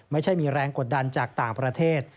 ไม่ใช่มีแรงกดดันจากต่างประเทศ